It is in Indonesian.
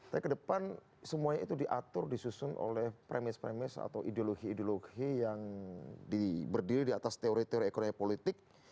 tapi ke depan semuanya itu diatur disusun oleh premis premis atau ideologi ideologi yang berdiri di atas teori teori ekonomi politik